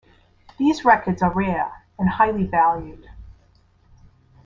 These records are rare and highly valued.